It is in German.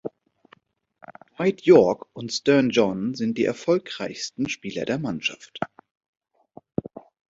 Dwight Yorke und Stern John sind die erfolgreichsten Spieler der Mannschaft.